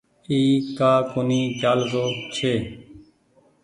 اي ڪآ ڪونيٚ چآلرو ڇي۔